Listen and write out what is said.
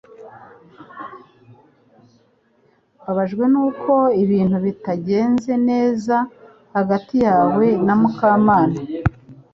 Mbabajwe nuko ibintu bitagenze neza hagati yawe na Mukamana